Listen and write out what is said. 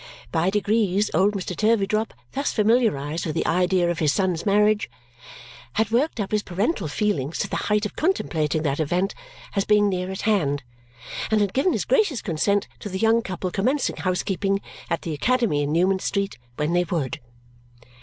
By degrees, old Mr. Turveydrop, thus familiarized with the idea of his son's marriage, had worked up his parental feelings to the height of contemplating that event as being near at hand and had given his gracious consent to the young couple commencing housekeeping at the academy in Newman Street when they would.